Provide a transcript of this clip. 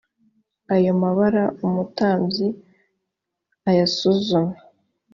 ayo mabara umutambyi ayasuzume